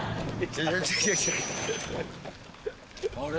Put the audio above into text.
あれ？